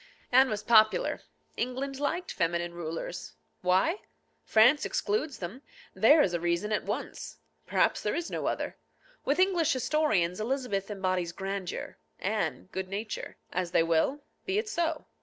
Anne was popular. England liked feminine rulers. Why? France excludes them. There is a reason at once. Perhaps there is no other. With English historians Elizabeth embodies grandeur, Anne good nature. As they will. Be it so.